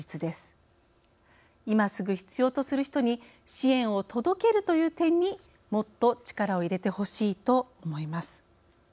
今すぐ必要とする人に支援を届けるという点にもっと力を入れてほしいと思います。